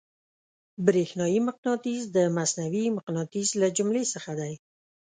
برېښنايي مقناطیس د مصنوعي مقناطیس له جملې څخه دی.